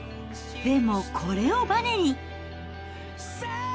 でもこれをばねに。